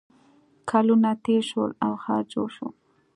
کلونه تېر شول او ښار جوړ شو